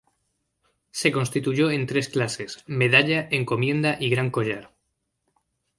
Se constituyó en tres clases: medalla, encomienda y gran collar.